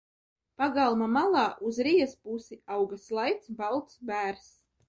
Pagalma malā uz rijas pusi auga slaids, balts bērzs.